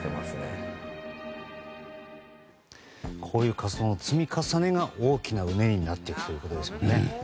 こういう活動の積み重ねが大きなうねりになっていくということですね。